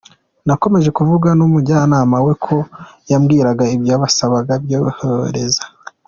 Nakomeje kuvugana n’umujyanama we kuko yambwiraga ibyo basabaga byo kohereza.